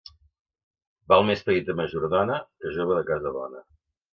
Val més petita majordona que jove de casa bona.